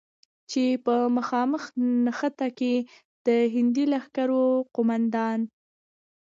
چې په مخامخ نښته کې د هندي لښکرو قوماندان،